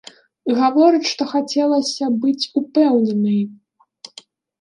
Гаворыць, што хацелася быць упэўненай.